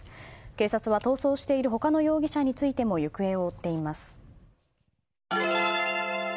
警察は逃走している他の容疑者についても行方を追っています。